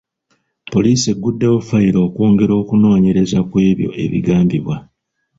Poliisi egguddewo fayiro okwongera okunoonyereza ku ebyo ebigambibwa.